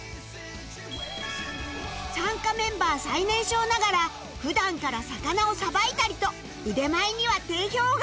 参加メンバー最年少ながら普段から魚をさばいたりと腕前には定評が